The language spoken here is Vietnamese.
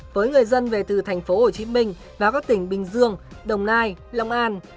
với người dân về từ thành phố hồ chí minh và các tỉnh bình dương đồng nai long an